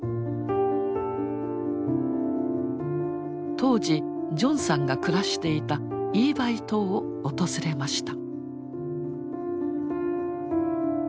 当時ジョンさんが暮らしていたイーバイ島を訪れました。